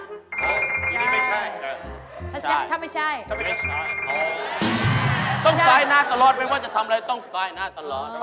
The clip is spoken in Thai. อ๋ออันนี้ไม่ใช่เหรอถ้าไม่ใช่ไม่ใช่ต้องใส่หน้าตลอดไม่ว่าจะทำอะไรต้องใส่หน้าตลอด